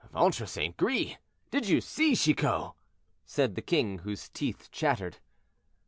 "Ventre St. Gris! did you see, Chicot?" said the king, whose teeth chattered.